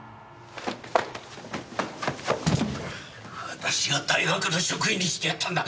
私が大学の職員にしてやったんだ。